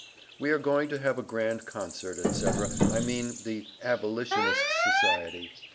We are going to have a grand concert &c I mean the Abolisnous Socity.